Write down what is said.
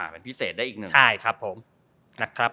เป็นพิเศษได้อีกหนึ่ง